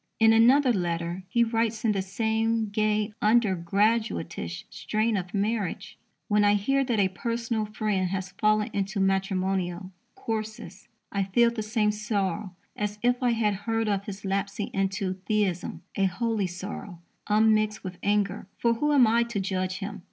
In another letter he writes in the same gay, under graduatish strain of marriage: When I hear that a personal friend has fallen into matrimonial courses, I feel the same sorrow as if I had heard of his lapsing into theism a holy sorrow, unmixed with anger; for who am I to judge him?